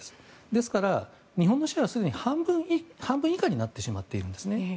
ですから日本のシェアの半分以下になってしまっているんです。